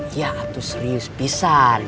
iya aku serius bisa